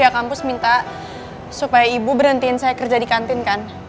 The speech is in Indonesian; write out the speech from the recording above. kampus minta supaya ibu berhentiin saya kerja di kantin kan